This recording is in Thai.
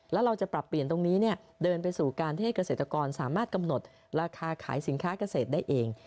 แล้วเราจะปรับเปลี่ยนตรงนี้เดินไปสู่การที่ให้เกษตรกรสามารถกำหนดราคาขายสินค้าเกษตรได้เอง